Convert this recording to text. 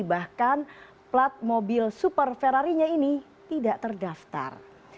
bahkan plat mobil super ferrari nya ini tidak terdaftar